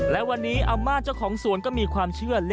และวันนี้อาม่าเจ้าของสวนก็มีความเชื่อ